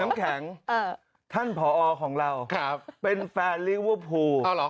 น้ำแข็งท่านผอของเราเป็นแฟนลิเวอร์พูล